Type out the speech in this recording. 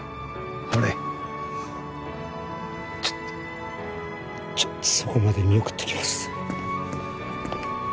ほれちょっとちょっとそこまで見送ってきます